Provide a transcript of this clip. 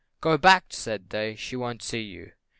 "Go back," said they, "she won't see you!"